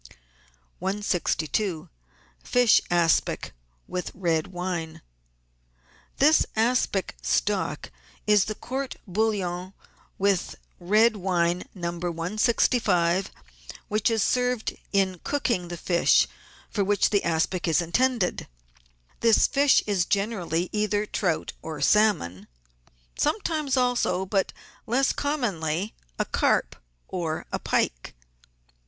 162— FISH ASPIC WITH RED WINE This aspic stock is the Court bouillon with red wine No. 165, which has served in cooking the fish for which the aspic is intended ; this fish is generally either trout or salmon ; some times also, but less commonly, a carp or a pike.